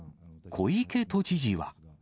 小池都知事は。